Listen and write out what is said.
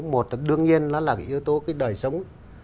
một là đương nhiên là yếu tố đời sống